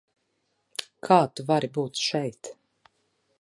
Kā tu vari būt šeit?